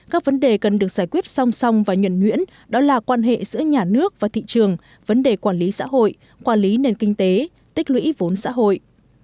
các vấn đề cần được giải quyết song song và nhuận nhuyễn đó là quan hệ giữa nhà nước và thị trường vấn đề quản lý xã hội quản lý nền kinh tế tích lũy vốn xã hội